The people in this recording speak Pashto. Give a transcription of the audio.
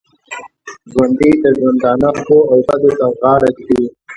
ژوندي د ژوندانه ښو او بدو ته غاړه ږدي